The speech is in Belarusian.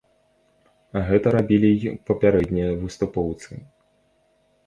Гэта рабілі і папярэднія выступоўцы.